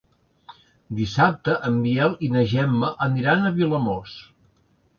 Dissabte en Biel i na Gemma aniran a Vilamòs.